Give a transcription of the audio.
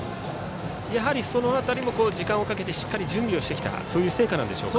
その辺りも時間をかけてしっかり準備をしてきたそういう成果でしょうか。